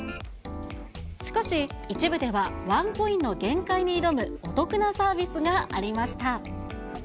しかし、一部ではワンコインの限界に挑むお得なサービスがありました。